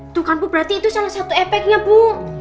itu kan bu berarti itu salah satu efeknya bu